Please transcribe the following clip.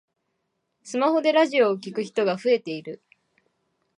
スマホでラジオを聞く人が増えている